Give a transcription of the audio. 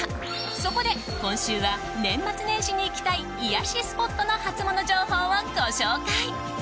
そこで今週は年末年始に行きたい癒やしスポットのハツモノ情報をご紹介。